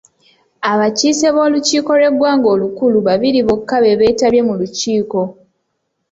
Abakiise b'olukiiko lw'eggwanga olukulu babiri bokka be beetabye mu lukiiko.